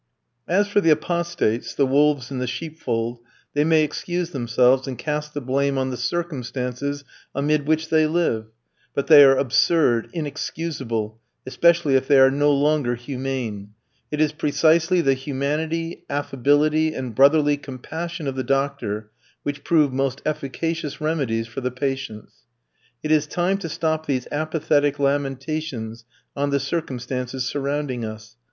As for the apostates, the wolves in the sheep fold, they may excuse themselves, and cast the blame on the circumstances amid which they live; but they are absurd, inexcusable, especially if they are no longer humane; it is precisely the humanity, affability, and brotherly compassion of the doctor which prove most efficacious remedies for the patients. It is time to stop these apathetic lamentations on the circumstances surrounding us.